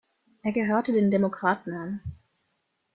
Er gehörte den Demokraten an.